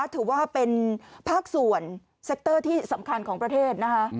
ถือว่าเป็นภาคส่วนเซ็กเตอร์ที่สำคัญของประเทศนะคะ